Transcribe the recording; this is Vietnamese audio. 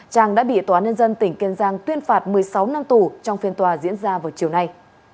trang đã bị tòa án nhân dân tỉnh kiên giang tuyên phạt một mươi sáu năm tù trong phiên tòa diễn ra vào chiều nay